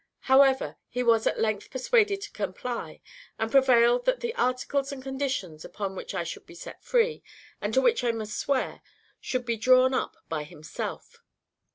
However, he was at length persuaded to comply; but prevailed that the articles and conditions upon which I should be set free, and to which I must swear, should be drawn up by himself.